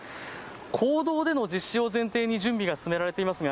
公道での実施を前提に準備が進められていますが